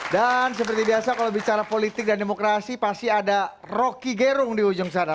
dan seperti biasa kalau bicara politik dan demokrasi pasti ada rocky gerung di ujung sana